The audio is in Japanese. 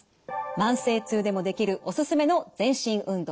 慢性痛でもできるおすすめの全身運動